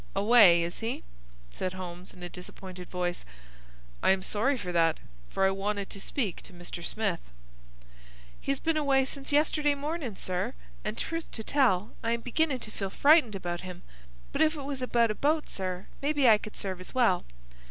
"Away, is he?" said Holmes, in a disappointed voice. "I am sorry for that, for I wanted to speak to Mr. Smith." "He's been away since yesterday mornin', sir, and, truth to tell, I am beginnin' to feel frightened about him. But if it was about a boat, sir, maybe I could serve as well."